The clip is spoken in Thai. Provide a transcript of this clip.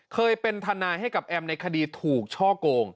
เคยเป็นทนายให้กับแอมในคดีถูกช่อโกง